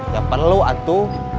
gak perlu antu